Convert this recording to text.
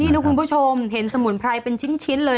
นี่นะคุณผู้ชมเห็นสมุนไพรเป็นชิ้นเลย